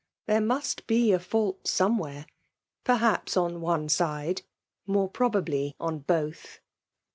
There must be a fault somewhere, perhaps on one side, more probably on both.